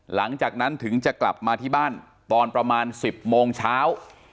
หลังจากนั้นถึงจะกลับมาที่บ้านตอนประมาณ๑๐โมงเช้า